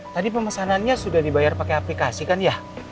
tadi pemesanannya sudah dibayar pakai aplikasi kan ya